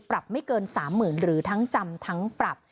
ปรับไม่เกิน๓๐๐๐หรือทั้งจำทั้งปรับ